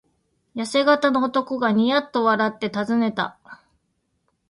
やせ型の男がニヤッと笑ってたずねた。